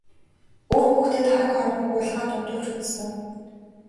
Үр хүүхдээ тараг хоормог уулгаад унтуулж үзсэн үү?